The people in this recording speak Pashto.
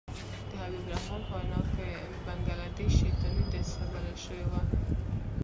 د حبیب الرحمن په وینا کې بنګله دېش شیطاني دسیسه بلل شوې وه.